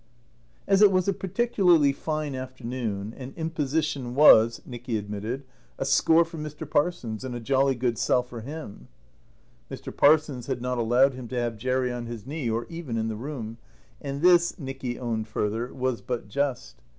As it was a particularly fine afternoon, an imposition was, Nicky admitted, a score for Mr. Parsons and a jolly good sell for him. Mr. Parsons had not allowed him to have Jerry on his knee, or even in the room; and this, Nicky owned further, was but just.